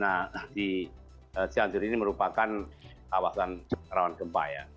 nah di cianjur ini merupakan kawasan rawan gempa ya